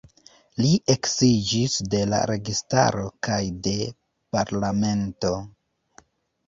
Li eksiĝis de la registaro kaj de parlamento.